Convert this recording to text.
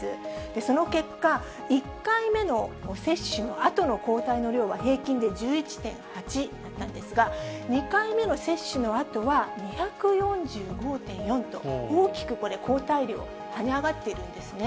その結果、１回目の接種のあとの抗体の量は平均で１１．８だったんですが、２回目の接種のあとは２４５．４と、大きく抗体量、はね上がっているんですね。